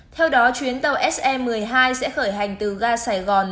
theo đó chuyến tàu se một mươi hai sẽ khởi hành từ ga sài gòn